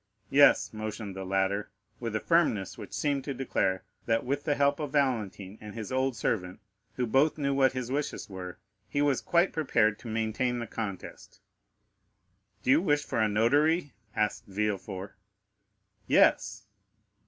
"Yes," motioned the latter, with a firmness which seemed to declare that with the help of Valentine and his old servant, who both knew what his wishes were, he was quite prepared to maintain the contest. "Do you wish for a notary?" asked Villefort. "Yes."